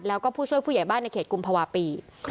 แล้วก็ผู้ช่วยผู้ใหญ่บ้านในเขตกุมภาวะปี